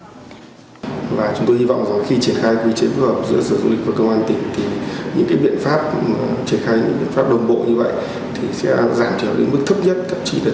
chúng tôi hy vọng khi triển khai quy chế phù hợp giữa sở du lịch và công an tỉnh những biện pháp triển khai những biện pháp đồng bộ như vậy sẽ giảm trở đến mức thấp nhất